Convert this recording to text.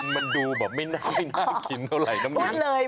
มันดูแบบไม่น่ากินเท่าไหร่น้ำเหลือง